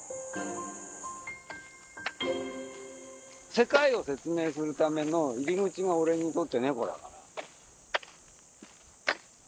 世界を説明するための入り口が俺にとって猫だから。